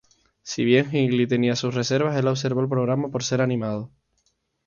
Si bien Hinckley tenía sus reservas, el observó el programa por ser "animado".